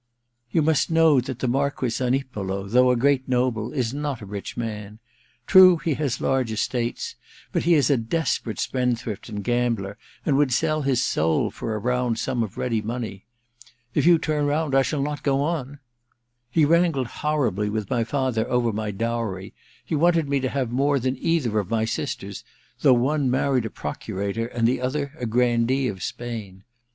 * You must know that the Marquess Zanipolo, though a great noble, is not a rich man. True, he has large estates, but he is a desperate spend thrift and gambler, and would sell his soul for a round sum of ready money. — ^If you turn round in ENTERTAINMENT 339 I shall not go on !— He wrangled horribly with my father over my dowry — he wanted me to have more than either of my sisters, though one married a Procurator and the other a grandee of Spain.